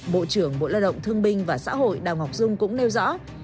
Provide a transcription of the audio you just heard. bộ trưởng bộ lao động thương binh và xã hội đào ngọc dung cũng nêu rõ